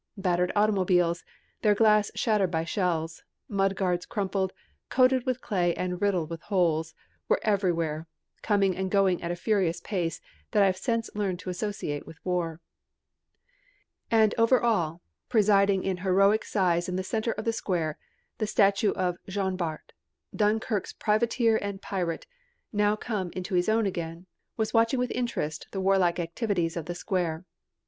Battered automobiles, their glass shattered by shells, mud guards crumpled, coated with clay and riddled with holes, were everywhere, coming and going at the furious pace I have since learned to associate with war. And over all, presiding in heroic size in the centre of the Square, the statue of Jean Bart, Dunkirk's privateer and pirate, now come into his own again, was watching with interest the warlike activities of the Square.